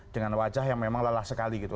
dengan wajah yang memang lelah sekali gitu